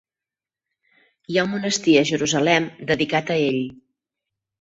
Hi ha un monestir a Jerusalem dedicat a ell.